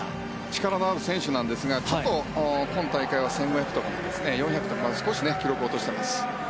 力のある選手なんですがちょっと、今大会は１５００４００とか少し記録を落としています。